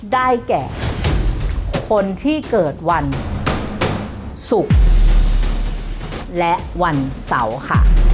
ได้แก่คนที่เกิดวันศุกร์และวันเสาร์ค่ะ